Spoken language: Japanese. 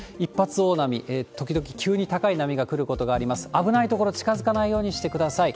危ない所、近づかないようにしてください。